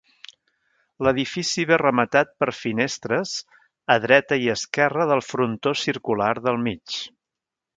L'edifici ve rematat per finestres a dreta i esquerra del frontó circular del mig.